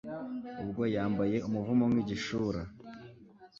ubwo yambaye umuvumo nk'igishura